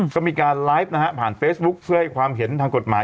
ก็มีการไลฟ์นะฮะผ่านเฟซบุ๊คเพื่อให้ความเห็นทางกฎหมาย